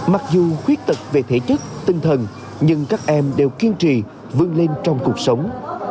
mặc dù khuyết tật về thể chất tinh thần nhưng các em đều kiên trì vươn lên trong cuộc sống